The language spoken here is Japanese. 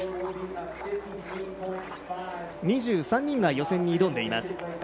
２３人が予選に挑んでいます。